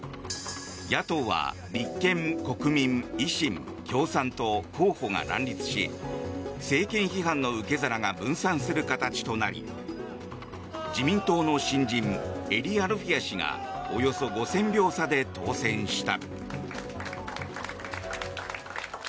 野党は立憲、国民、維新、共産と候補が乱立し政権批判の受け皿が分散する形となり自民党の新人英利アルフィヤ氏がおよそ５０００票差で当選した。